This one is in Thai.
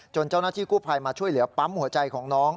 เจ้าหน้าที่กู้ภัยมาช่วยเหลือปั๊มหัวใจของน้อง